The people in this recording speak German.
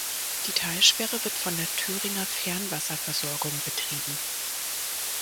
Die Talsperre wird von der Thüringer Fernwasserversorgung betrieben.